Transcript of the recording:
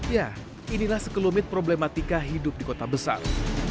ya inilah sekelumit problematika hidup di kota besar